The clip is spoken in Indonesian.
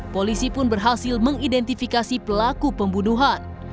polisi pun berhasil mengidentifikasi pelaku pembunuhan